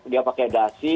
dia pakai dasi